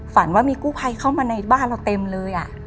ฝันว่ามีกู้ภัยเข้ามาในบ้านเราเต็มเลย